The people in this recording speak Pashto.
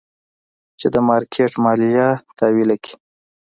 چې د مارکېټ ماليه تاويله کي.